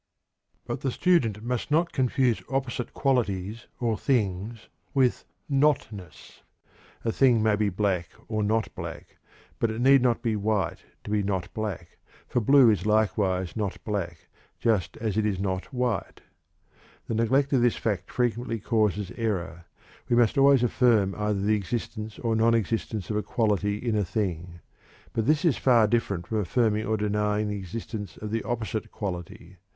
But the student must not confuse opposite qualities or things with "not ness." A thing may be "black" or "not black," but it need not be white to be "not black," for blue is likewise "not black" just as it is "not white." The neglect of this fact frequently causes error. We must always affirm either the existence or non existence of a quality in a thing; but this is far different from affirming or denying the existence of the opposite quality.